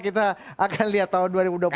kita akan lihat tahun dua ribu dua puluh empat